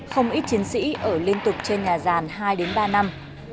không ít chiến sĩ ở liên tục trên nhà ràn hai đến ba năm